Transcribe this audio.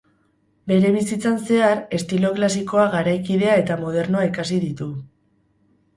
Bere bizitzan zehar, estilo klasikoa, garaikidea eta modernoa ikasi ditu.